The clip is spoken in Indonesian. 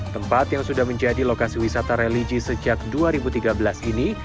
tempat yang sudah menjadi lokasi wisata religi sejak dua ribu tiga belas ini